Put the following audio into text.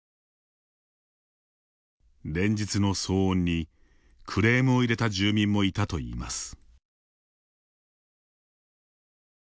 連日の騒音にクレームを入れた住民もいたといいます。